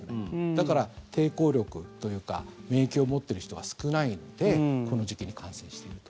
だから、抵抗力というか免疫を持ってる人が少ないのでこの時期に感染していると。